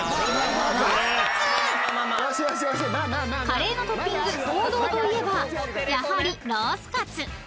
［カレーのトッピング王道といえばやはりロースカツ］